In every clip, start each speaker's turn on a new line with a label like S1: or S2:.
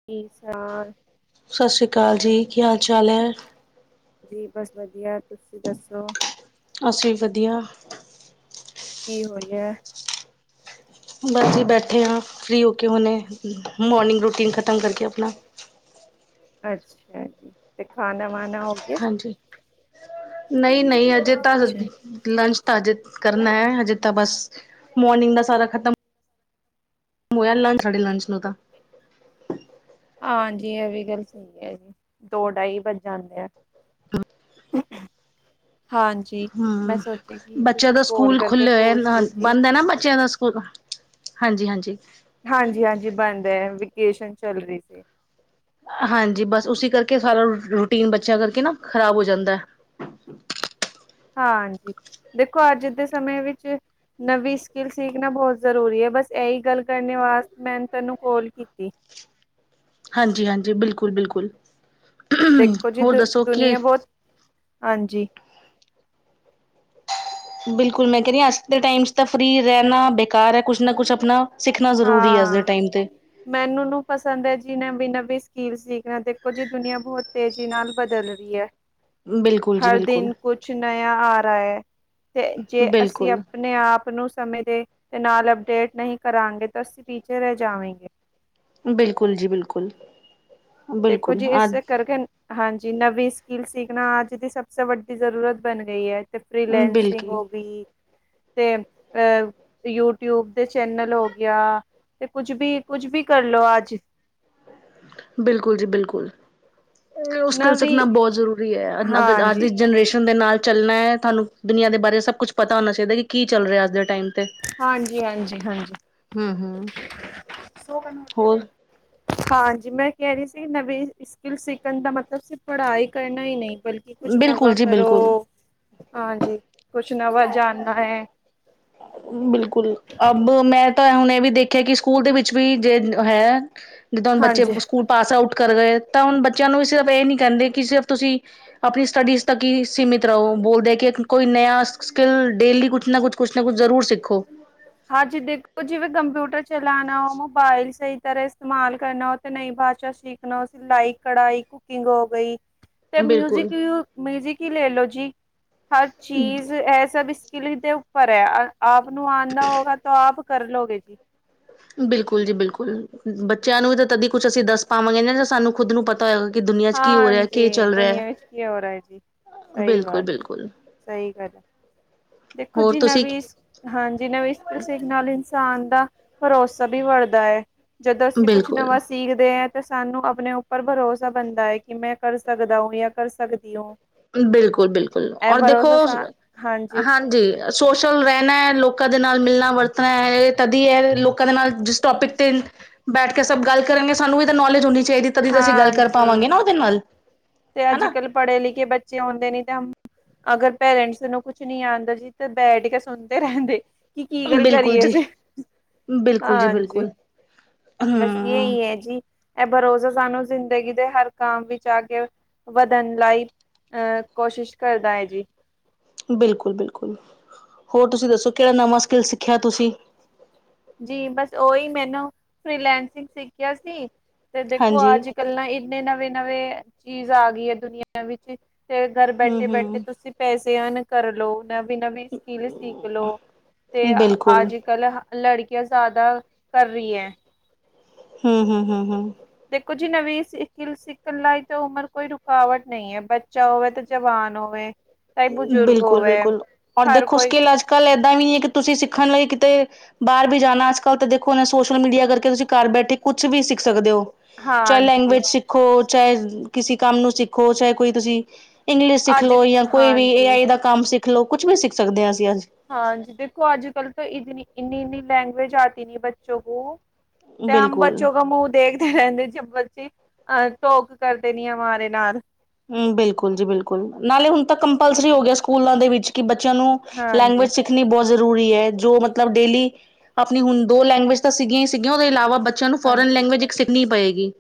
S1: [inaudible]
S2: ਸਤਿ ਸ੍ਰੀ ਅਕਾਲ ਜੀ ਕੀ ਹਾਲ ਚਾਲ ਹੈ
S1: ਜੀ ਬਸ ਵਧੀਆ ਤੁਸੀਂ ਦੱਸੋ
S2: ਅਸੀ ਵੀ ਵਧੀਆ
S1: ਕੀ ਹੋ ਰਹੀਆ
S2: ਬਸ ਜੀ ਬੈਠੇ ਹਾਂ ਫ੍ਰਰੀ ਹੋ ਕੇ ਹਨੇ ਮੋਰਨਿੰਗ ਰੂਟੀਨ ਖ਼ਤਮ ਕਰਕੇ ਆਪਣਾ
S1: ਅੱਛਾ ਜੀ ਤੇ ਖਾਣਾ ਵਣਾ ਹੋ ਗਿਆ
S2: ਨਹੀਂ ਨਹੀਂ ਅਜੇ ਤਾਂ ਲੰਚ ਤਾਂ ਅਜੇ ਕਰਨਾ ਹੈ ਹਜੇ ਤਾਂ ਬਸ ਮੋਰਨਿੰਗ ਦਾ ਸਾਰਾ ਖਤਮ ਹੋਇਆ ਲੰਚ ਸਾਡੀ ਲੰਚ ਨੂੰ ਤਾਂ
S1: ਹਾਂਜੀ ਇਹ ਵੀ ਗੱਲ ਸਹੀ ਹੈ ਜੀ ਦੋ ਢਾਈ ਵੱਜ ਜਾਂਦੇ ਆ [inaudible] ਹਾਂਜੀ ਮੈਂ
S2: ਹਮ
S1: ਸੋਚਿਆ ਕਿ
S2: ਬੱਚਿਆਂ
S1: ਤੁਸੀਂ
S2: ਦਾ
S1: ਕੋਲ
S2: ਸਕੂਲ
S1: ਕਰਕੇ
S2: ਖੁੱਲੇ
S1: ਪੁੱਛ
S2: ਹੋ
S1: ਲੋ ਜੀ।
S2: ਬੰਦ ਹੈ ਨਾ ਬੱਚਿਆਂ ਦਾ ਸਕੂਲ ਹਾਂਜੀ-ਹਾਂਜੀ
S1: ਹਾਂਜੀ-ਹਾਂਜੀ ਬਣਹਾ ਵਕੇਸ਼ਨ ਚੱਲ ਰਹੀ ਸੀ
S2: ਹਾਂਜੀ ਬਸ ਉਸੀ ਕਰਕੇ ਸਾਰਾ ਰੂਟੀਨ ਬੱਚਿਆਂ ਕਰਕੇ ਨਾ ਖ਼ਰਾਬ ਹੋ ਜਾਂਦਾ
S1: ਹਾਂਜੀ ਦੇਖੋ ਅੱਜ ਦੇ ਸਮੇਂ ਵਿੱਚ ਨਵੀਂ ਸਕਿੱਲ ਸਿੱਖਣਾ ਬਹੁਤ ਜ਼ਰੂਰੀ ਹੈ ਬਸ ਇਹੀ ਗੱਲ ਕਰਨੇ ਵਾਸਤੇ ਮੈਂ ਤੈਨੂੰ ਕਾਲ ਕੀਤੀ
S2: ਹਾਂਜੀ-ਹਾਂਜੀ ਬਿਲਕੁਲ-ਬਿਲਕੁਲ
S1: ਦੇਖੋ ਜੀ ਦ ਦੁਨੀਆਂ ਬਹੁਤ ਹਾਂਜੀ
S2: ਬਿਲਕੁਲ ਮੈਂ ਕਹਿ ਰਹੀ ਹਾਂ ਅੱਜ ਦੇ ਟਾਈਮ ' ਤਾਂ ਫ੍ਰਰੀ ਰਹਿਣਾ ਬੇਕਾਰ ਹੈ ਕੁਛ ਨਾ ਕੁਛ ਆਪਣਾ ਸਿੱਖਣਾ ਜ਼ਰੂਰੀ ਹੈ ਅੱਜ ਦੇ
S1: ਹਾਂ।
S2: ਟਾਈਮ ਤੇ
S1: ਮੈਨੂੰ ਨੂੰ ਪਸੰਦ ਹੈ ਜੀ ਨਵੀਂ-ਨਵੀ ਸਕੀਲ ਸਿੱਖਣਾ ਦੇਖੋ ਜੀ ਦੁਨੀਆਂ ਬਹੁਤ ਤੇਜ਼ੀ ਨਾਲ ਬਦਲ ਰਹੀ ਹੈ
S2: ਬਿਲਕੁਲ ਜੀ
S1: ਹਰ
S2: ਬਿਲਕੁਲ
S1: ਦਿਨ ਕੁਛ ਨਯਾ ਆ ਰਹਾ ਏ, ਤੇ ਜੇ ਅਸੀਂ
S2: ਬਿਲਕੁਲ
S1: ਅਪਣੇ-ਆਪ ਨੂੰ ਸਮੇ ਦੇ ਨਾਲ ਅਪਡੇਟ ਨਹੀਂ ਕਰਾਂਗੇ, ਤਾਂ ਅਸੀਂ ਪਿਛੇ ਰਹਿ ਜਾਵੇਂਗੇ।
S2: ਬਿਲਕੁਲ ਜੀ, ਬਿਲਕੁਲ।
S1: ਦੇਖੋ
S2: ਬਿਲਕੁਲ,
S1: ਜੀ
S2: ਆ
S1: ਇਸ ਕਰਕੇ ਹਾਂਜੀ, ਨਵੀਂ ਸਕਿੱਲ ਸਿੱਖਣਾ, ਆਜ ਦੀ ਸਭ ਸੇ ਵੱਡੀ ਜ਼ਰੂਰਤ ਬਣ ਗਈ ਏ। ਤੇ, ਫ੍ਰੀਲੈਂਸਿੰਗ
S2: ਬਿਲਕੁਲ
S1: ਹੋ ਗਈ। ਤੇ, ਅ ਯੂਟਿਊਬ ਦੇ ਚੈਨਲ ਹੋਗਿਆ। ਤੇ ਕੁੱਝ ਵੀ, ਕੁੱਝ ਵੀ ਕਰਲੋ ਆਜ
S2: ਬਿਲਕੁਲ ਜੀ, ਬਿਲਕੁਲ। ਓ ਸ੍ਕੀਲ
S1: ਨਵੀਂ
S2: ਸਿੱਖਣਾ ਬਹੁਤ ਜ਼ਰੂਰੀ ਏ, ਅੱਜ
S1: ਹਾਂਜੀ
S2: ਦੀ ਜਨਰੇਸ਼ਨ ਦੇ ਨਾਲ ਚੱਲਣਾ ਐ, ਤੁਹਾਨੂੰ ਦੁਨੀਆਂ ਦੇ ਬਾਰੇ ਸਭ ਕੁਛ ਪਤਾ ਹੋਣਾ ਚਾਹੀਦਾ, ਕਿ, ਕੀ ਚੱਲ ਰਿਹਾ ਅੱਜ ਦੇ ਟਾਈਮ। ਤੇ ਹਮ ਹਮ ਹੋਰ
S1: ਹਾਂਜੀ-ਹਾਂਜੀ-ਹਾਂਜੀ। ਹਾਂਜੀ, ਮੈਂ ਕਹਿ ਰਹੀ ਸੀ, ਨਵੀ ਸ੍ਕੀਲ ਸਿੱਖਣ ਦਾ ਮਤਲਬ, ਸਿਰਫ ਪੜ੍ਹਾਈ ਕਰਨਾ ਹੀ ਨਹੀਂ, ਬਲਕਿ ਕੁਛ
S2: ਬਿਲਕੁਲ
S1: ਨਵਾਂ
S2: ਜੀ
S1: ਕਰੋ
S2: ਬਿਲਕੁਲ
S1: ਹਾਂਜੀ, ਕੁਛ ਨਵਾ ਜਾਣਨਾ ਐ
S2: ਬਿਲਕੁਲ, ਅਬ ਮੈਂ ਤਾਂ ਹੁਣੇ ਏ ਵੀ ਦੇਖਿਆ ਕਿ, ਸਕੂਲ ਦੇ ਵਿੱਚ ਵੀ, ਜੇ ਹੈ ਜਿੱਦਾਂ ਹੁਣ ਬੱਚੇ
S1: ਹਾਂਜੀ
S2: ਸਕੂਲ ਪਾਸ ਆਊਟ ਕਰ ਗਏ, ਤਾਂ ਹੁਣ ਬੱਚਿਆਂ ਨੂੰ ਸਿਰਫ ਇਹ ਨੀ ਕਹਿੰਦੇ ਕਿ, ਸਿਰਫ ਤੁਸੀਂ ਆਪਣੀ ਸਟੱਡੀਜ਼ ਤੱਕ ਹੀ ਸੀਮਿਤ ਰਹੋ। ਬੋਲਦੇ ਕਿ ਕ, ਕੋਈ ਨਇਆ ਸ੍ਕੀਲ, ਡੇਲੀ ਕੁਛ ਨਾ ਕੁਛ, ਕਛ ਨਾ ਕੁਛ ਜ਼ਰੂਰ ਸਿੱਖੋ।
S1: ਹਾਂਜੀ ਦੇਖੋ, ਜਿਵੇਂ ਕੰਪਿਊਟਰ ਚਲਾਣਾ ਮੋਬਾਇਲ ਸਹੀ ਤਰ ਇਸਤੇਮਾਲ ਕਰਨਾ, ਉਹ ਤੇ ਨਈ ਭਾਸ਼ਾ ਸਿੱਖਣਾ ਸਿਲਾਈ, ਕਢਾਈ, ਕੁਕਿੰਗ ਹੋ ਗਈ ਤੇ ਮਿਊਜੀਕ,
S2: ਬਿਲਕੁਲ
S1: ਮਿਊਜਿਕ ਹੀ ਲੈਲੋੋ ਜੀ, ਹਰ ਚੀਜ਼ ਇਹ ਸਭ ਇਹਦੇ ਉੱਪਰ ਹੈ, ਆਪ ਨੂੰ ਆਂਦਾ ਹੋਊਗਾ ਤਾਂ ਆਪ ਕਰਲੋਗੇ ਜੀ।
S2: ਬਿਲਕੁਲ ਜੀ, ਬਿਲਕੁਲ। ਬੱਚਿਆਂ ਨੂੰ ਵੀ ਤਦੀ ਕੁਛ ਅਸੀਂ ਦੱਸ ਪਾਵਾਂਗੇ ਨ ਨਾ, ਸਾਨੂੰ ਖੁਦ ਨੂੰ ਪ
S1: ਹਾਂਜੀ, ਦੁਨੀਆਂ ਵਿੱਚ ਕੇ ਹੋ ਰਿਹਾ ਜੀ। ਸਹੀ
S2: ਬਿਲਕੁਲ
S1: ਬਾਤ ਜੀ,
S2: ਬਿਲਕੁਲ
S1: ਸਹੀ ਗੱਲ, ਦੇਖੋ
S2: ਹੋਰ
S1: ਜੀ
S2: ਤੁਸੀਂ
S1: ਨਵੀ ਹਾਂਜੀ, ਨਵੀਂ ਸ੍ਕਿਲ ਸਿੱਖਣ ਨਾਲ ਇਨਸਾਨ ਦਾ, ਭਰੋਸਾ ਵੀ ਵੜਦਾ ਏ। ਜਦੋਂ ਅਸੀਂ ਕੁਛ
S2: ਬਿਲਕੁਲ
S1: ਨਵਾਂ ਸਿੱਖਦੇ ਆਂ, ਤੇ ਸਾਨੂੰ ਆਪਣੇ ਉੱਪਰ ਭਰੋਸਾ ਬਨਦਾ ਏ, ਕਿ ਮੈਂ ਕਰ ਸਕਦਾ ਹੂੰ, ਯਾ ਕਰ ਸਕਦੀ ਊਂ।
S2: ਬਿਲਕੁਲ, ਬਿਲਕੁਲ, ਔਰ ਦੇਖੋ,
S1: ਸਾ- ਹਾਂਜੀ
S2: ਹਾਂਜੀ। ਸੋਸ਼ਲ ਰਹਿਣਾ ਹੈ, ਲੋਕਾਂ ਦੇ ਨਾਲ ਮਿਲਣਾ-ਵਰਤਣਾ ਹੈ, ਇਹ ਤਦੀ ਐ ਲੋਕਾਂ ਦੇ ਨਾਲ ਜਿਸ ਟੌਪਿਕ ਤੇ ਬੈਠਕੇ ਸਭ ਗੱਲ ਕਰਾੰਗੇ, ਸਾਨੂੰ ਇਹ ਤਾਂ ਨੌਲੇਜ ਹੋਣੀ ਚਾਹੀਦੀ ਤਦੀ ਤਾਂ, ਅਸੀਂ ਗੱਲ ਕਰ ਪਾਵਾਂਗੇ ਨਾ ਉਹਦੇ ਨਾਲ।
S1: ਤੇ
S2: ਹਨਾ
S1: ਅੱਜ-ਕੱਲ ਪੜੇ-ਲਿਖੇ ਬੱਚੇ ਆਉਂਦੇ ਨੀ ਤਾਂ ਅਗਰ ਪੇਰੈਂਟਸ ਨੂੰ ਕੁਛ ਨੀ ਆਉਂਦਾ ਜੀ, ਤੇ ਬੈਠਕੇ ਸੁਣਦੇ ਰਹਿੰਦੇ। ਕਿ, ਕੀ ਗੱਲ
S2: ਬਿਲਕੁਲ
S1: ਕਰੀਏ
S2: ਜੀ
S1: ਅਸੀਂ,
S2: ਬਿਲਕੁਲ ਜੀ
S1: ਹਾਂਜੀ।
S2: ਬਿਲਕੁਲ
S1: ਬਸ ਯੇ
S2: ਹਮ
S1: ਈਏ ਜੀ, ਇਹ ਬਰੋਸਾ ਸਾਨੂੰ ਜ਼ਿੰਦਗੀ ਦੇ ਹਰ ਕੰਮ ਵਿੱਚ ਆਕੇ ਵਧਣ ਲਾਈਕ ਅਹ, ਕੋਸ਼ਿਸ਼ ਕਰਦਾ ਹੈ ਜੀ।
S2: ਬਿਲਕੁਲ-ਬਿਲਕੁਲ। ਹੋਰ ਤੁਸੀਂ ਦੱਸੋ, ਕਿਹੜਾ ਨਵਾਂ ਸ੍ਕਿੱਲ ਸਿੱਖਿਆ ਤੁਸੀ?
S1: ਜੀ ਬਸ ਓਹੀ ਮੈਨੂੰ, ਫ੍ਰੀਲੈਂਸਿਕ ਸਿੱਖਿਆ ਸੀ, ਤੇ ਦੇਖੋ
S2: ਹਾਂਜੀ
S1: ਆਜ ਕੱਲਾ ਇੰਨੇ ਨਵੇਂ-ਨਵੇਂ ਚੀਜ਼ਾਂ ਆ ਗਈ ਹੈ ਦੁਨੀਆਂ ਵਿੱਚ, ਤੇ ਘਰ
S2: ਹਮ
S1: ਬੈਠੇ-ਬੈਠੇ,
S2: ਹਮ
S1: ਤੁਸੀਂ ਪੈਸੇ ਅਰਨ ਕਰਲੋ। ਨਵੀਂ-ਨਵੀਂ ਸ੍ਕਿਲ ਸਿੱਖਲੋ, ਤੇ
S2: ਬਿਲਕੁਲ
S1: ਆਜ-ਕੱਲ ਲੜਕੀਆਂ ਜ਼ਿਆਦਾ ਕਰ ਰਹੀ ਐ।
S2: ਹੂੰ, ਹੂੰ, ਹੂੰ, ਹੂੰ।
S1: ਦੇਖੋ ਜੀ, ਨਵੀਂ ਸਿਕਿਲ ਸਿੱਖਣ ਲਾਇਕ ਤੇ ਉਮਰ ਕੋਈ ਰੁਕਾਵਟ ਨਹੀਂ ਹੈ, ਬੱਚਾ ਹੋਵੇ ਤੇ ਜਵਾਨ ਹੋਵੇ। ਚਾਹੇ ਬਜ਼ੁਰਗ ਹੋਵੇ
S2: ਬਿਲਕੁਲ-ਬਿਲਕੁਲ, ਹੁਣ
S1: ਹਰ
S2: ਦੇਖੋ
S1: ਕੋਈ
S2: ਸਕਿਲ ਅੱਜ-ਕੱਲ ਏਦਾਂ ਨਹੀਂ ਹੈ, ਕਿ ਤੁਸੀਂ ਸਿੱਖਣ ਲਈ ਕਿਤੇ ਬਾਹਰ ਬੀ ਜਾਣਾ, ਅੱਜ-ਕੱਲ ਤਾਂ ਦੇਖੋਨਾ ਸੋਸ਼ਲ ਮੀਡੀਆ ਕਰਕੇ, ਤੁਸੀਂ ਘਰ ਬੈਠੇ ਕੁਛ ਵੀ ਸਿੱਖ ਸਕਦੇ ਹੋ। ਚਾਹੇ
S1: ਹਾਂਜੀ
S2: ਲੈਂਗੁਵੇਜ ਸਿੱਖੋ, ਚਾਹੇ ਕਿਸੇ ਕੰਮ ਨੂੰ ਸਿੱਖੋ, ਚਾਹੇ ਕੋਈ ਤੁਸੀਂ ਇੰਗਲਿਸ਼
S1: ਅੱਜ
S2: ਸਿੱਖਲੋ, ਯਾ ਕੋਈ ਵੀ ਏ
S1: ਹਾਂਜੀ
S2: ਆਈ ਦਾ ਕੰਮ ਸਿੱਖਲੋ, ਕੁਛ ਵੀ ਸਿੱਖ ਸਕਦੇ ਆ, ਅਸੀਂ ਅੱਜ।
S1: ਹਾਂਜੀ, ਦੇਖੋ ਅੱਜ-ਕੱਲ ਤਾਂ ਇਤਨੀ, ਇੰਨੀ-ਇੰਨੀ ਲੈਂਗੁਵੇਜ ਆਤੀ ਨੀ ਬੱਚੋ ਕੋ। ਤੇ, ਹਮ
S2: ਬਿਲਕੁਲ
S1: ਬੱਚੋ ਕਾ ਮੁੜ ਦੇਖਦੇ ਰਹਿੰਦੇ ਜੇਬ ਬੱਚੇ, ਹ ਟੋਕ ਕਰਦੇ ਨ ਆ ਮਰੇ ਨਾਲ।
S2: ਹਮ ਬਿਲਕੁਲ ਜੀ ਬਿਲਕੁਲ। ਨਾਲੇ ਹੁਣ ਤਾਂ ਕੰਪਲਸਰੀ ਹੋ ਗਿਆ, ਸਕੂਲਾਂ ਦੇ ਵਿੱਚ ਕਿ ਬੱਚਿਆਂ ਨੂੰ
S1: ਹਾਂਜੀ
S2: ਲੈਂਗੁਏਜ ਸਿੱਖ ਣੀ ਬਹੁਤ ਜ਼ਰੂਰੀ ਹੈ। ਜੋ ਮਤਲਬ ਡੇਲੀ ਆਪਣੀ ਹੁਣ ਦੋ ਲੈਂਗੁਏਜ ਤਾਂ ਸੀਗੀਆਂ ਹੀ ਸੀਗੀਆਂ, ਉਹਦੇ ਇਲਾਵਾ ਬੱਚ। ਬੱਚਿਆਂ ਨੂੰ, ਫੋਰਨ
S1: ਹਾਂਜੀ
S2: ਲੈਂਗੁਏਜ ਇੱਕ ਸਿੱਖਣੀ ਪਏਗੀ।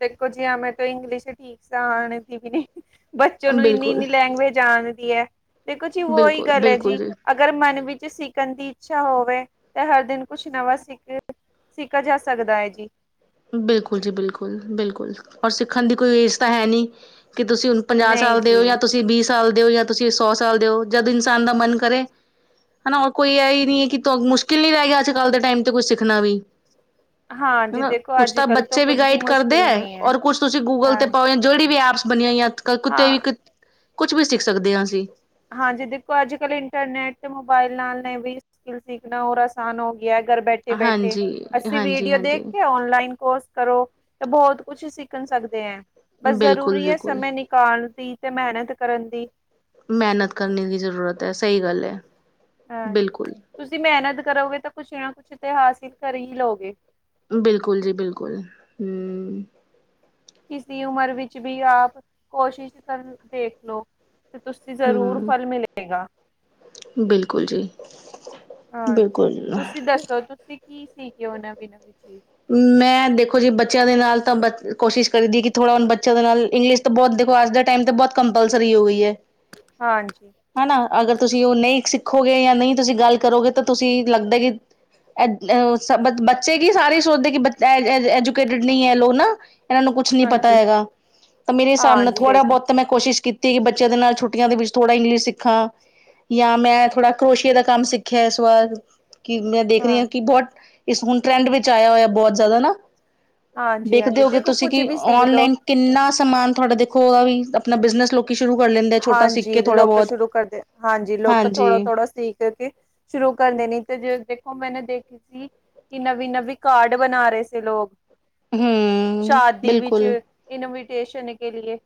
S1: ਦੇਖੋ ਜੀ ਮੈਂ ਤੋਂ ਇੰਗਲਿਸ਼ ਠੀਕ ਸ ਆਣਦੀ ਵੀ ਨਹੀਂ [unintelligible] ਬੱਚੇ ਨੂੰ ਇੰਨੀ
S2: ਬਿਲਕੁਲ,
S1: ਇੰਨੀ ਲੈਂਗੁਏਜ ਆਣਦੀ ਹੈ। ਦੇਖੋ ਜੀ ਉਹੀ
S2: ਬਿਲਕੁਲ,
S1: ਗੱਲ ਹੈ
S2: ਬਿਲਕੁਲ
S1: ਜੀ। ਅਗਰ ਮਨ ਵਿੱਚ ਸਿੱਖਣ ਦੀ ਇੱਛਾ ਹੋਵੇ। ਤੇ ਹਰ ਦਿਨ ਕੁਛ ਨਵਾਂ ਸਿੱਖੇ। ਸਿੱਖਾ ਜਾ ਸਕਦਾ ਹੈ ਜੀ।
S2: ਬਿਲਕੁਲ ਜੀ ਬਿਲਕੁਲ ਬਿਲਕੁਲ, ਔਰ ਸਿੱਖਣ ਦੀ ਕੋਈ ਏਜ ਤਾਂ ਹੈ ਨਹੀਂ, ਕਿ ਤੁਸੀਂ ਹੁਣ ਪੰਜ
S1: ਨਹੀਂ
S2: ਸਾਲ ਦੇ ਹੋ, ਯਾ
S1: ਜੀ
S2: ਤੁਸੀਂ ਵੀਹ ਸਾਲ ਦੇ ਹੋ, ਯਾ ਤੁਸੀਂ ਸੋ ਸਾਲ ਦੇ ਹੋ, ਜਦ ਇਨਸਾਨ ਦਾ ਮਨ ਕਰੇ ਹਨਾ, ਕੋਈ ਇਹਹੀ ਨੀ ਕਿ ਤੁਹਾਨੂੰ ਮੁਸ਼ਕਿਲ ਨਹੀਂੀ ਰਹਿਗੀ। ਅੱਜ ਕੱਲ੍ਹ ਦੇ ਟਾਈਮ ਤੇ ਕੁਛ ਸਿੱਖਣਾ ਵੀ।
S1: ਹਾਂ ਜੀ
S2: ਹਨਾ
S1: ਦੇਖੋ
S2: ਕੁਛ
S1: ਅੱਜ
S2: ਤਾਂ
S1: ਕੱਲ ਤੋਂ
S2: ਬੱਚੇ ਵੀ
S1: ਕੁੱਝ
S2: ਗਾਈਡ ਕਰਦੇ
S1: ਮੁਸ਼ਕਿਲ
S2: ਐ,
S1: ਨਹੀਂ ਹੈ
S2: ਔਰ ਕੁਛ ਤੁਸੀਂ ਗੂਗਲ ਤੇ
S1: ਹਾਂ
S2: ਪਾਓ ਜਾਂ ਜਿਹੜੀ ਵੀ ਐਪਸ ਬਣੀਆਂ ਹਈਆਂ ਐ। ਕੁੱਤੇ ਵੀ
S1: ਹਾਂ
S2: ਕੁ ਕੁੱਛ ਵੀ ਸਿੱਖ ਸਕਦੇ ਆ ਅਸੀਂ।
S1: ਹਾਂਜੀ ਦੇਖੋ ਅੱਜ ਕੱਲ੍ਹ ਇੰਟਰਨੈਟ ਤੇ ਮੋਬਾਇਲ ਨਾਲ ਨੇ ਵੀ ਸਕਿਲ ਸਿੱਖਣਾ ਓਰ ਆਸਾਨ ਹੋ ਗਿਐ ਘਰ ਬੈਠੇ ਕੇ ਬੈਠੇ
S2: ਹਾਂਜੀ
S1: ਅਸੀ
S2: ਹਾਂਜੀ
S1: ਵੀਡੀਓ ਦੇਖ
S2: ਹਾਂਜੀ
S1: ਕੇ ਔਨਲਾਈਨ ਕੋਰਸ ਕਰੋ ਤੇ ਬੋਤ ਕੁਛ ਸਿੱਖਣ ਸਕਦੇ ਐ ਬਸ
S2: ਬਿਲਕੁਲ
S1: ਜ਼ਰੂਰੀ ਆ
S2: ਬਿਲਕੁਲ
S1: ਸਮੇਂ ਨਿ ਕਾਣ ਦੀ ਤੇ ਮਿਹਨਤ ਕਰਨ ਦੀ
S2: ਮਿਹਨਤ ਕਰਨ ਦੀ ਜ਼ਰੂਰਤ ਐ ਸਈ ਗੱਲ ਐ।
S1: ਹਾਂ ਤੁਸੀਂ ਮਿਹਨਤ ਕਰੋਗੇ ਤਾਂ ਕੁੱਛ ਨਾ ਕੁੱਛ ਤੇ ਹਾਸਿਲ ਕਰ ਹੀ ਲਓਗੇ।
S2: ਬਿਲਕੁੱਲ ਜੀ ਬਿਲਕੁੱਲ ਹੂੰ।
S1: ਕਿਸਈ ਉਮਰ ਵਿੱਚ ਵੀ ਆਪ ਕੋਸ਼ਿਸ਼ ਕਰ ਦੇਖ ਲੋ। ਤੇ ਤੁਸੀਂ ਜ਼ਰੂਰ ਫਲ ਮਿਲੇਗਾ।
S2: ਬਿਲਕੁੱਲ ਜੀ
S1: ਹਾਂਜੀ
S2: ਬਿਲਕੁੱਲ।
S1: ਤੁਸੀਂ ਦੱਸੋ ਤੁਸੀਂ ਕੀ ਸੀਗੀ ਓ ਨਵੀਂ-ਨਵੀਂ ਚੀਜ਼?
S2: ਮੈਂ ਦੇਖੋ ਜੀ ਬੱਚਿਆਂ ਦੇ ਨਾਲ ਤਾਂ ਬ ਕੋਸ਼ਿਸ਼ ਕਰਦੀ ਕਿ ਥੋੜਾ ਹੁਣ ਬੱਚਿਆਂ ਦੇ ਨਾਲ ਇੰਗਲਿਸ਼ ਤ ਬੋਤ ਦੇਖੋ ਅੱਜ ਦੇ ਟਾਈਮ ਤੇ ਬੋਤ ਕੰਪਲਸਰੀ ਹੋ ਗਈ ਐ।
S1: ਹਾਂਜੀ।
S2: ਹਨਾ ਅਗਰ ਤੁਸੀਂ ਓ ਨਹੀਂ ਸਿੱਖੋਗੇ ਜਾਂ ਨਈ ਤੁਸੀਂ ਗੱਲ ਕਰੋਗੇ ਤਾਂ ਤੁਸੀਂ ਲੱਗਦਾ ਕੀ ਏਦ ਅਅ ਸਬਦ ਸਬ ਬੱਚੇ ਕੀ ਸਾਰੇ ਹੀ ਸੋਚਦੇ ਕੀ ਬਚ ਐਐਐ ਐਜੂਕੇਟਡ ਨਹੀਂ ਏ ਲੋਕ ਨਾ। ਇਹਨਾਂ ਨੂੰ ਕੁਛ ਨੀ ਪਤਾ
S1: ਹਾਂਜੀ
S2: ਹੈਗਾ, ਤਾਂ ਮੇਰੇ ਹਿਸਾਬ ਨਾਲ
S1: ਹਾਂਜੀ
S2: ਥੋੜ੍ਹਾ
S1: ਦੇਖੋ
S2: ਬਹੁਤ ਮੈਂ ਕੋਸ਼ਿਸ਼ ਕੀਤੀ। ਕਿ ਬੱਚਿਆਂ ਦੇ ਨਾਲ ਛੁੱਟੀਆਂ ਦੇ ਵਿੱਚ ਥੋੜ੍ਹਾ ਇੰਗਲਿਸ਼ ਸਿੱਖਾਂ। ਜਾਂ ਮੈਂ, ਥੋੜਾ ਕਰੋਸ਼ੀਏ ਦਾ ਕੰਮ ਸਿੱਖਿਆ ਇਸ ਵਾਰ। ਕਿ ਮੈਂ ਦੇਖ ਰੀ ਆ
S1: ਹਾਂ
S2: ਕੀ ਬੋ ਇਸ ਹੁਣ ਟਰੈਂਡ ਵਿੱਚ ਆਇਆ ਹੋਇਆ ਬਹੁਤ ਜਾਦਾ ਨਾ
S1: ਹਾਂਜੀ
S2: ਦੇਖਦੇ
S1: ਹਾਂਜੀ
S2: ਓਗੇ
S1: ਦੇਖੋ
S2: ਤੁਸੀਂ
S1: ਕੁੱਝ
S2: ਕਿ
S1: ਵੀ ਸਿੱਖਦੋ
S2: ਔਨਲਾਈਨ ਕਿੰਨਾ ਸਮਾਨ ਥੋੜਾ ਦੇਖੋ ਓਦਾ ਵੀ ਆਪਣਾ ਬਿਜਨਸ ਲੌ
S1: ਹਾਂਜੀ ਲੋਕ ਸ਼ੁਰੂ ਕਰਦੇ ਹਾਂਜੀ ਲੋਕ
S2: ਹਾਂਜੀ,
S1: ਥੋੜਾ-ਥੋੜਾ ਸੀਖ ਕੇ ਸ਼ੁਰੂ ਕਰ ਦੇਣੀ ਤੇ ਜੇ ਦੇਖੋ ਮੈਨੇ ਦੇਖੀ ਸੀ ਕੀ ਨਵੀਂ ਨਵੀਂ ਕਾਡ ਬਣਾਰੇ ਸੀ ਲੋਕ
S2: ਹੂੰ,
S1: ਸ਼ਾਦੀ ਵਿੱਚ
S2: ਬਿਲਕੁਲ।
S1: ਇਨਵੀਟੇਸ਼ਨ ਕੇ ਲੀਏ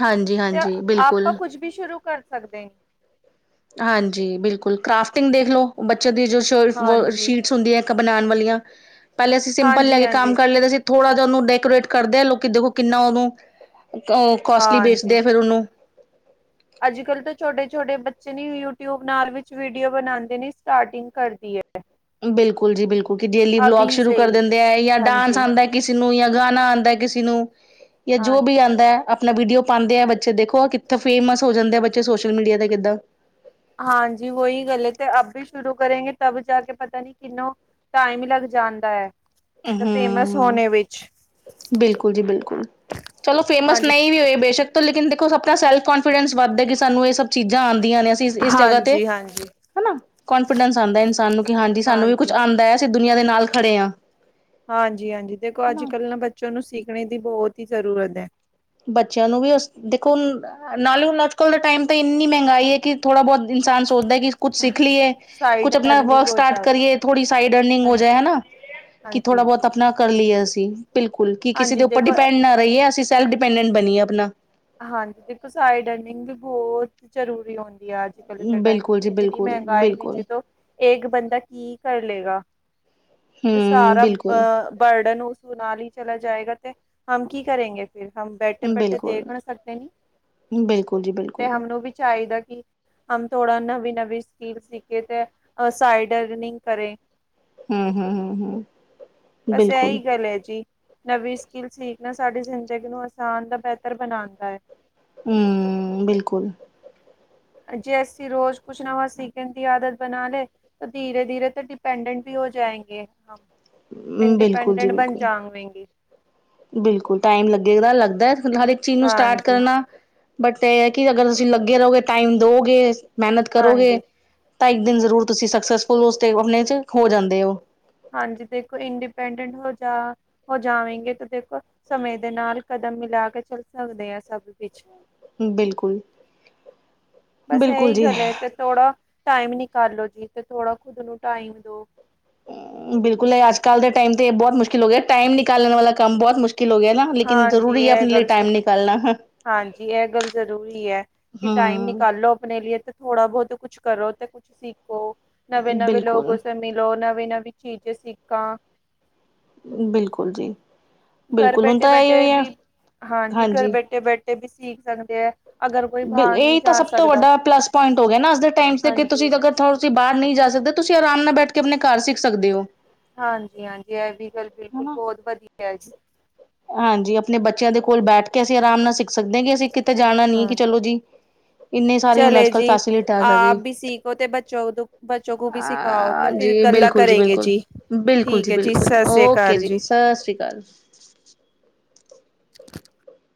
S2: ਹਾਂਜੀ-ਹਾਂਜੀ ਬਿਲਕੁੱਲ।
S1: ਕੁੱਛ ਵੀ ਸ਼ੁਰੂ ਕਰ ਸਕਦੇ।
S2: ਹਾਂਜੀ ਬਿਲਕੁੱਲ ਕਰਾਫਟਿੰਗ ਦੇਖ ਲੋ ਬੱਚੇ ਦੀ ਜੋ ਸ
S1: ਹਾਂਜੀ।
S2: ਸ਼ੀਟਸ ਹੁੰਦੀ ਐ। ਕ ਬਣਾਣ ਵਾਲੀਆਂ ਪੇਲੇ ਅਸੀਂ ਸਿੰਪਲ ਲੈ ਕੇ ਕੰਮ
S1: ਹਾਂਜੀ-ਹਾਂਜੀ।
S2: ਕਰ ਲੈਦਾ ਸੀ ਥੋੜਾ ਜਾ ਓਨੂੰ ਡੈਕੋਰੇਟ ਕਰਦੇ ਆ ਲੋਕੀ ਦੇਖੋ ਕਿੰਨਾ ਓਨੂੰ ਕੋਸਟਲੀ ਵੇਚਦੇ ਆ ਫੇਰ ਓ।
S1: ਅੱਜ ਕਲ੍ਹ ਤਾਂ ਛੋਟੇ-ਛੋਟੇ ਬੱਚੇ ਨੀ ਯੂਟਿਊਬ ਨਾਲ ਵਿੱਚ ਵੀਡੀਓ ਬਣਾਂਦੇ ਨੇ ਸਟਾਰਟਿੰਗ ਕਰਦੀ ਐ।
S2: ਬਿਲਕੁੱਲ ਜੀ ਬਿਲਕੁੱਲ ਕੀ ਡੇਲੀ ਵਲੋਗ ਸ਼ੁਰੂ
S1: ਸੇ
S2: ਕਰ
S1: ਈ,
S2: ਦਿੰਦੇ ਐ ਯਾਂ ਡਾਂਸ
S1: ਹਾਂਜੀ।
S2: ਆਂਦੈ। ਕਿਸੀ ਨੂੰ ਯਾਂ ਗਾਣਾ ਆਂਦੈ ਕਿਸੇ ਨੂੰ ਯਾਂ ਜੋ ਵੀ
S1: ਹਾਂਜੀ,
S2: ਆਂਦੈ ਆਪਣਾ ਵੀਡੀਓ ਪਾਂਦੇ ਐ ਬੱਚੇ ਦੇਖੋ ਆ ਕਿੱਥੇ ਫੇਮਸ ਹੋ ਜਾਂਦੇ ਆ ਬੱਚੇ ਸੋਸ਼ਲ ਮੀਡੀਆ ਤੇ ਕਿੱਦਾਂ।
S1: ਹਾਂਜੀ ਵੋਈ ਗੱਲ ਐ ਤੇ ਅੱਬੀ ਸ਼ੁਰੂ ਕਰੇਗੇ ਤਬ ਜਾ ਕੇ ਪਤਾ ਨੀ ਕਿਨੋ ਟਾਈਮ ਲੱਗ ਜਾਂਦਾ ਐ, ਤੇ ਫੇਮਸ ਹੋਣੇ ਵਿੱਚ।
S2: ਬਿਲਕੁੱਲ ਜੀ ਬਿਲਕੁੱਲ, ਚਲੋ ਫੇਮਸ
S1: ਹਾਂਜੀ,
S2: ਨਈ ਵੀ ਹੋਏ ਬੇਸ਼ੱਕ ਤੋ ਲੇਕਿਨ ਦੇਖੋ ਆਪਣਾ ਸੇਲਫ ਕਾਨਫੀਡੈਂਸ ਵੱਧਦਾ ਕਿ ਸਾਨੂੰ ਏ ਸਭ ਚੀਜ਼ਾਂ ਆਂਦੀਆਂ ਨੇ ਅ ਤੀਸ ਇਸ ਜਗ੍ਹਾ ਤੇ,
S1: ਹਾਂਜੀ-ਹਾਂਜੀ, ਹਾਂਜੀ।
S2: ਹਨਾ, ਕੋਂਨਫੀਡੈਂਸ ਆਂਦੈ ਇਨਸਾਨ ਨੂੰ ਕੀ ਹਾਂਜੀ ਸਾਨੂੰ ਵੀ ਕੁੱਝ ਆਂਦੈ। ਦੁਨੀਆਂ ਦੇ ਨਾਲ ਖੜੇ ਆ।
S1: ਹਾਂਜੀ-ਹਾਂਜੀ ਦੇਖੋ ਅੱਜ ਕੱਲ੍ਹ ਨਾ ਬੱਚਿਆਂ ਨੂੰ ਸਿੱਖਣੇ ਦੀ ਬੋਹਤੀ ਜ਼ਰੂਰਤ ਐ।
S2: ਬੱਚਿਆਂ ਨੂੰ ਵੀ ਉਸ ਦੇਖੋ ਹੁ ਨਾਲ ਹੁਣ ਅੱਜ ਕੱਲ ਦੇ ਟਾਈਮ ਤਾਂ ਇੰਨੀ ਮਹਿੰਗਾਈ ਹੈ ਕੀ ਥੋੜਾ ਬੋਤ ਇਨਸਾਨ ਸੋਚਦੈ ਕੀ ਕੁੱਛ ਸਿੱਖ ਲਈਏ,
S1: ਸਾਈਡ
S2: ਕੁੱਛ ਆਪਣਾ
S1: ਅਰਨਿੰਗ
S2: ਵਰਕ
S1: ਹੋ
S2: ਸਟਾਰਟ
S1: ਜਾਵੇ।
S2: ਕਰੀਏ ਥੌੜੀ ਸਾਈਡ ਅਰਨਿੰਗ ਹੋ ਜਾਏ
S1: ਹਾਂਜੀ
S2: ਹਨਾ। ਕੀ
S1: ਹਾਂਜੀ
S2: ਥੋੜ੍ਹਾ ਬੋਤ ਆਪਣਾ ਕਰ ਲਈਏ ਅਸੀਂ, ਬਿਲਕੁਲ ਕਿ ਕਿਸੇ
S1: ਹਾਂਜੀ
S2: ਦੇ ਉੱਪਰ
S1: ਦੇਖੋ ਐ-
S2: ਡਿਪੈਂਡ ਨਾ ਰਹੀਏ, ਅਸੀਂ ਸੈਲਫ ਡਿਪੈਂਡੈਂਟ ਬਣੀਏ ਆਪਣਾ।
S1: ਹਾਂਜੀ ਦੇਖੋ ਸਾਈਡ ਅਰਨਿੰਗ ਵੀ ਬਹੁਤ ਜ਼ਰੂਰੀ ਹੁੰਦੀ ਆ ਅੱਜ ਕੱਲ੍ਹ ਦੇ ਟਾਈਮ ਵਿੱਚ,
S2: ਬਿਲਕੁਲ ਜੀ
S1: ਇਤਨੀ
S2: ਬਿਲਕੁਲ,
S1: ਮਹਿੰਗਾਈ ਵਿੱਚ
S2: ਬਿਲਕੁਲ
S1: ਤੋਂ ਏਕ ਬੰਦਾ ਕੀ ਕਰ ਲਏਗਾ, ਤੇ
S2: ਹੂੰ
S1: ਸਾਰਾ
S2: ਬਿਲਕੁਲ।
S1: ਅਹ ਬਰਡਨ ਉਸ ਕੁਨਾਲੀ ਚਲਾ ਜਾਏਗਾ, ਤੇ ਹਮ ਕੀ ਕਰੇਗੇ ਫਿਰ? ਹਮ ਬੈਠੇ -ਬੈਠੇ
S2: ਬਿਲਕੁਲ,
S1: ਦੇਖ ਸਕਦੇ ਨੇ,
S2: ਬਿਲਕੁਲ ਜੀ ਬਿਲਕੁਲ
S1: ਤੇ ਹਮ ਨੂੰ ਵੀ ਚਾਹੀਦਾ ਕਿ ਹਮ ਥੋੜਾ ਨਵੀਂ- ਨਵੀਂ ਸਕਿਲ ਸਿੱਖੇ ਤੇ ਅ ਸਾਈਡ ਅਰਨਿੰਗ ਕਰੇ।
S2: ਹੂੰ, ਹੂੰ, ਹੂੰ, ਹੂੰ
S1: ਬਸ
S2: ਬਿਲਕੁਲ।
S1: ਇਹੀ ਗੱਲ ਹੈ ਜੀ। ਨਵੀਂ ਸਕਿੱਲ ਸਿੱਖ ਨਾ ਸਾਡੀ ਜ਼ਿੰਦਗੀ ਨੂੰ ਆਸਾਨ ਤੇ ਬਿਹਤਰ ਬਣਾਉਦਾ ਹੈ।
S2: ਹੂੰ, ਬਿਲਕੁਲ।
S1: ਜੇ ਅਸੀ ਰੋਜ਼ ਕੁਛ ਨਵਾਂ ਸੀਖਣ ਦੀ ਆਦਤ ਬਣਾ ਲੇ ਧੀਰੇ -ਧੀਰੇ ਤਾਂ ਡਿਪੈਂਡੈਂਟ ਵੀ ਹੋ ਜਾਏਗੇ, ਹੂੰ
S2: ਬਿਲਕੁਲ ਜੀ
S1: ਇੰਡੀਪੈਂਡੈਂਟ ਬਣ
S2: ਬਿਲਕੁਲ।
S1: ਜਾਵਾਂਗੀ।
S2: ਬਿਲਕੁਲ, ਟਾਈਮ ਲੱਗੇ ਲੱਗਦਾ, ਹਰ ਇੱਕ ਚੀਜ਼ ਨੂੰ ਸਟਾਰਟ
S1: ਹਾਂਜੀ
S2: ਕਰਨਾ ਬਟ ਇਹ ਹੈ ਕਿ ਅਗਰ ਤੁਸੀਂ ਲੱਗੇ ਰਹੋਗੇ, ਟਾਈਮ ਦੋਗ, ੇ ਮਿਹਨਤ ਕਰੋਗੇ
S1: ਹਾਂਜੀ
S2: ਤਾਂ ਇੱਕ ਦਿਨ ਜ਼ਰੂਰ ਤੁਸੀਂ ਸਕਸੈਸਫੁਲ, ਉਸ [unintelligible] ਚ ਹੋ ਜਾਂਦੇ ਹੋ।
S1: ਹਾਂਜੀ ਦੇਖੋ ਇੰਡੀਪੈਂਡੈਂਟ ਹੋ ਜਾ ਹੋ ਜਾਵੇਗੇ ਤੇ ਦੇਖੋ ਸਮੇਂ ਦੇ ਨਾਲ ਕਦਮ ਮਿਲਾ ਕੇ ਚੱਲ ਸਕਦੇ ਆ, ਸਭ ਵਿੱਚ।
S2: ਬਿਲਕੁੱਲ।
S1: ਬਸ ਐਈ ਗੱਲ ਐ ਤੇ ਥੋੜਾ ਟਾਈਮ ਨਿਕਾਲੋ ਜੀ ਤੇ ਥੋੜਾ ਖੁਦ ਨੂੰ ਟਾਈਮ ਦੋ।
S2: ਬਿਲਕੁੱਲ ਏ ਅੱਜ ਕੱਲ੍ਹ ਦੇ ਟਾਈਮ ਤੇ ਬੋਤ ਮੁਸ਼ਕਿਲ ਹੋ ਗਿਆ, ਟਾਈਮ ਨਿਕਾਲਣ ਵਾਲਾ ਕੰਮ ਬੋਤ ਮੁਸ਼ਕਿਲ ਹੋ ਗਿਆ ਨਾ।
S1: ਹਾਂਜੀ ਐ ਗੱਲ ਸ ਹਾਂਜੀ, ਐ ਗੱਲ ਜ਼ਰੂਰੀ ਐ ਕੀ ਟਾਈਮ ਨਿਕਾਲੋ ਆਪਣੇ ਲੀਏ ਥੋੜਾ ਬਹੁਤ ਕੁਛ ਕਰੋ ਤੇ ਕੁਛ ਸਿੱਖੋ ਨਵੇਂ- ਨਵੇਂ ਲੋਕੋ
S2: ਬਿਲਕੁਲ,
S1: ਲੋ ਨਵੀਂ -ਨਵੀਂ ਚੀਜ਼ਾਂ ਸਿੱਖਾਂ।
S2: ਬਿਲਕੁਲ ਜੀ।
S1: ਘਰ
S2: ਬਿਲਕੁਲ ਹੁਣ
S1: ਬੈਠੇ-
S2: ਤਾਂ ਇਹੀ
S1: ਬੈਠੇ
S2: ਹੋਈ ਹੈ
S1: ਵੀ, ਹਾਂਜੀ, ਘਰ ਬੈਠੇ- ਬੈਠੇ ਵੀ ਸਿੱਖ ਸਕਦੇ ਆ।
S2: ਬ ਇਹੀ ਤਾਂ ਸਭ ਤੋਂ ਵੱਡਾ ਪਲੱਸ ਪੁਆਇੰਟ ਹੋ ਗਿਆ ਨਾ ਅੱਜ ਦੇ ਟਾਈਮ ਚ ਕ
S1: ਹਾਂਜੀ
S2: ਤੁਸੀਂ ਅ ਤੁਸੀਂ ਬਾਹਰ ਨਹੀਂ ਜਾ ਸਕਦੇ, ਤੁਸੀਂ ਆਰਾਮ ਨਾਲ ਬੈਠ ਕੇ ਆਪਣੇ ਘਰ ਸਿੱਖ ਸਕਦੇ ਹੋ।
S1: ਹਾਂਜੀ -ਹਾਂਜੀ ਇਹ ਵੀ ਗੱਲ ਬਿਲਕੁਲ
S2: ਹਨਾ,
S1: ਬਹੁਤ ਵਧੀਆ ਹੈ ਜੀ।
S2: ਹਾਂਜੀ ਆਪਣੇ ਬੱਚਿਆਂ ਦੇ ਕੋਲ ਬੈਠ ਕੇ ਅਸੀਂ ਆਰਾਮ ਨਾਲ ਸਿੱਖ ਸਕਦੇ ਹਾਂ, ਕਿ ਅਸੀਂ ਕਿਤੇ ਜਾਣਾ ਨੀ
S1: ਹਾਂ
S2: ਕਿ ਚਲੋ ਜੀ ਇੰਨੇ ਸਾਰੇ ਹੁਣ
S1: ਚਲੇ
S2: ਅੱਜ-ਕੱਲ੍ਹ
S1: ਜੀ
S2: ਫੈਸਿਲਿਟੀਜ਼ ਆ
S1: ਆਪ
S2: ਗਈ।
S1: ਵੀ ਸੀਖੋ ਤੇ ਬੱਚੋ, ਬੱਚੋ ਵੀ ਸਿਖਾਓ ਤੇ
S2: ਅ
S1: ਫਿਰ
S2: ਜੀ
S1: ਗੱਲਾਂ
S2: ਬਿਲਕੁਲ
S1: ਕਰੇਗੇ
S2: ਬਿਲਕੁਲ,
S1: ਜੀ,
S2: ਬਿਲਕੁਲ
S1: ਠੀਕ ਹੈ ਜੀ,
S2: ਬਿਲਕੁਲ
S1: ਸਤਿ ਸ੍ਰੀ
S2: ਓਕੇ
S1: ਅਕਾਲ ਜੀ।
S2: ਸਤਿ ਸ਼੍ਰੀ ਅਕਾਲ।